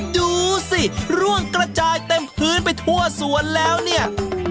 ดูสิร่วงกระจายเต็มพื้นไปทั่วสวนแล้วเนี่ย